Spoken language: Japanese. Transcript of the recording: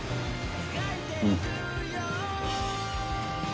うん。